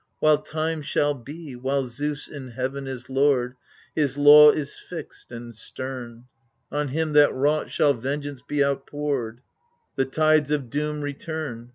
While Time shall be, while Zeus in heaven is lord. His law is fixed and stem ; On him that wrought shall vengeance be outpoured The tides of doom return.